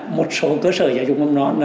một số cơ sở giáo dục mầm non